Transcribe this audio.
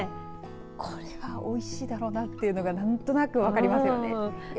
これはおいしいだろうなというのが何となく分かりますよね。